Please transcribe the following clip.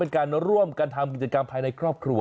เป็นการร่วมกันทำกิจกรรมภายในครอบครัว